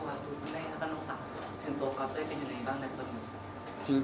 คุณแม่และลูกสาวถึงตัวกรอบได้เป็นอย่างไรบ้างในตัวนี้